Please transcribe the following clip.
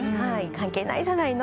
「関係ないじゃないの？